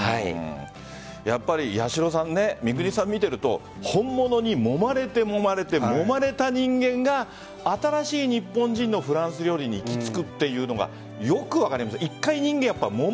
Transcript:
やっぱり三國さんを見ていると本物に揉まれて揉まれて揉まれた人間が新しい日本人のフランス料理に行き着くというのがよく分かります。